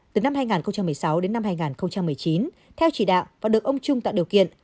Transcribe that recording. từ năm hai nghìn một mươi sáu đến năm hai nghìn một mươi chín theo chỉ đạo và được ông trung tạo điều kiện